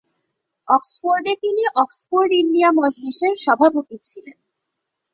অক্সফোর্ডে তিনি Oxford India মজলিসের সভাপতি ছিলেন।